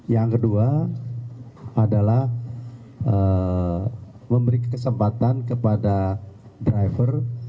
yang kedua adalah memberi kesempatan kepada driver